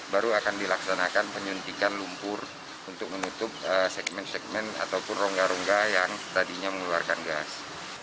baru akan dilaksanakan penyuntikan lumpur untuk menutup segmen segmen ataupun rongga rongga yang tadinya mengeluarkan gas